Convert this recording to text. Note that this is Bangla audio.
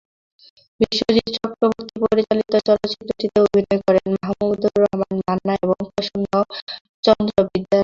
বিশ্বজিৎ চক্রবর্তী পরিচালিত চলচ্চিত্রটিতে অভিনয় করেন মাহমুদুর রহমান মান্না এবং প্রসন্নচন্দ্র বিদ্যারত্ন।